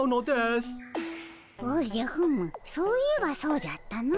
おじゃふむそういえばそうじゃったの。